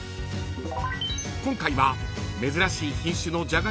［今回は］